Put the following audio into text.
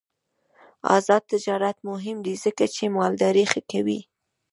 آزاد تجارت مهم دی ځکه چې مالداري ښه کوي.